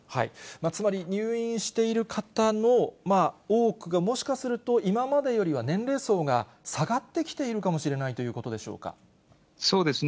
つまり入院している方の多くがもしかすると今までよりは年齢層が下がってきているかもしれなそうですね。